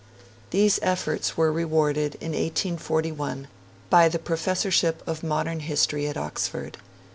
These efforts were rewarded, in 1841, by the Professorship of Modern History at Oxford.